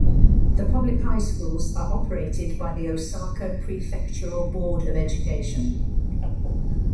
The public high schools are operated by the Osaka Prefectural Board of Education.